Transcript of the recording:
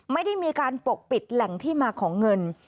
ไม่ได้มีการปกปิดแหล่งที่มาของเงิน